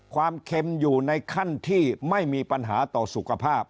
เค็มอยู่ในขั้นที่ไม่มีปัญหาต่อสุขภาพ